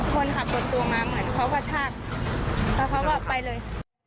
คนขับบนตัวมาเหมือนเขากระชากแล้วเขาก็ไปเลย